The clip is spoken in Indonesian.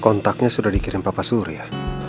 kontaknya sudah dikirim papa sur ya